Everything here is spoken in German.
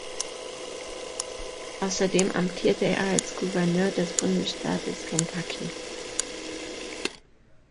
Außerdem amtierte er als Gouverneur des Bundesstaates Kentucky.